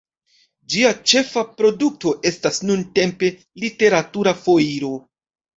Ĝia ĉefa produkto estas nuntempe "Literatura Foiro".